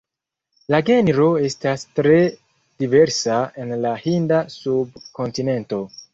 La genro estas tre diversa en la Hinda subkontinento.